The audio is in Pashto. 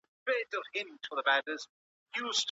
که خطاطي زده سي نو ذهن لا پسي روښانه کیږي.